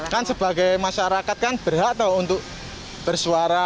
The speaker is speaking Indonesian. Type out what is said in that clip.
kan sebagai masyarakat kan berhak untuk bersuara